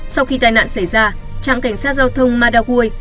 sau khi tai nạn xảy ra trạng cảnh sát giao thông madawui